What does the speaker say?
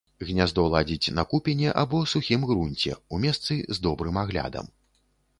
Гняздо ладзіць на купіне або сухім грунце, у месцы з добрым аглядам.